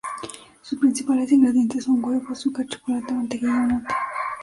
Sus principales ingredientes son huevo, azúcar, chocolate, mantequilla o nata.